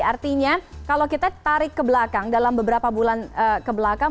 artinya kalau kita tarik ke belakang dalam beberapa bulan kebelakang